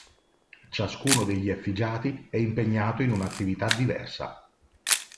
Ciascuno degli effigiati è impegnato in un'attività diversa.